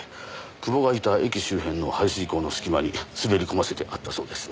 久保がいた駅周辺の排水溝の隙間に滑り込ませてあったそうです。